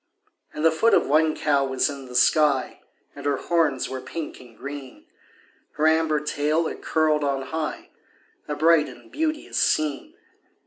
And the foot of one cow was in the sky, And her horns were pink and green; Her amber tail it curled on high A bright and beauteous scene.